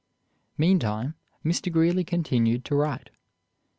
Meantime Mr. Greeley continued to write.